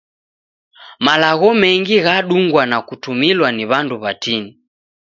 Malagho mengi ghadungwa na kutumilwa ni w'andu w'atini.